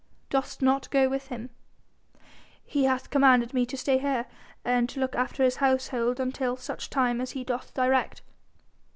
"Dost not go with him?" "He hath commanded me to stay here and to look after his household until such time as he doth direct."